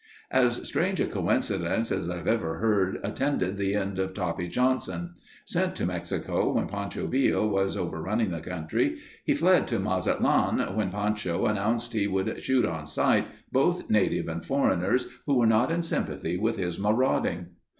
As strange a coincidence as I've ever heard attended the end of Toppy Johnson. Sent to Mexico when Pancho Villa was overrunning the country, he fled to Mazatlan when Pancho announced he would shoot on sight both native and foreigners who were not in sympathy with his marauding.